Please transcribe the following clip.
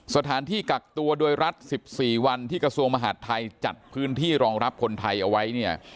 สถานที่กักตัวโดยรัฐ๑๔วันที่กระทรวงมหาดไทยจัดพื้นที่รองรับคนไทยเอาไว้เนี่ย